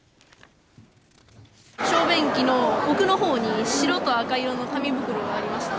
小便器の奥のほうに、白と赤色の紙袋がありました。